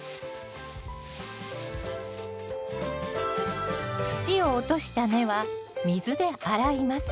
土を落とした根は水で洗います。